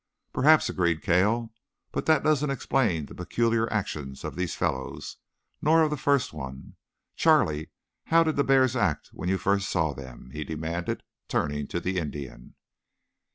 "Perhaps," agreed Cale. "But that doesn't explain the peculiar actions of these fellows, nor of the first one. Charlie, how did the bears act when you first saw them?" he demanded, turning to the Indian.